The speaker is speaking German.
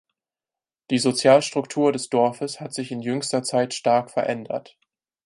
Die Sozialstruktur des Dorfes hat sich in jüngster Zeit stark verändert.